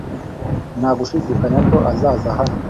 Nta gushidikanya ko azaza hano